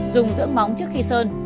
dùng dưỡng móng trước khi sơn